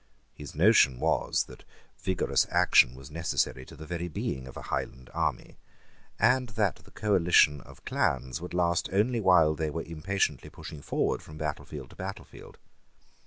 His notion was that vigorous action was necessary to the very being of a Highland army, and that the coalition of clans would last only while they were impatiently pushing forward from battlefield to battlefield.